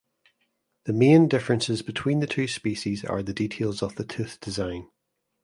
The main differences between the two species are the details of the tooth design.